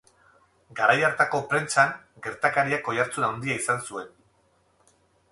Garai hartako prentsan gertakariak oihartzun handia izan zuen.